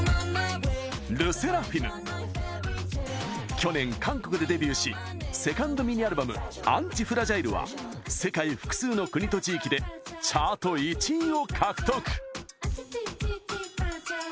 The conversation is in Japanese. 去年、韓国でデビューしセカンドミニアルバム「ＡＮＴＩＦＲＡＧＩＬＥ」は世界複数の国と地域でチャート１位を獲得。